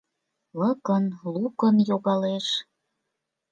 Лукын-лукын йогалеш.